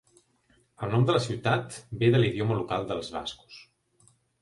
El nom de la ciutat ve de l'idioma local dels bascos.